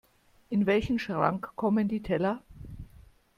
In welchen Schrank kommen die Teller?